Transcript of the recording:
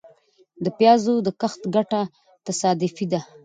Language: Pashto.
د پيازو د کښت ګټه تصادفي ده .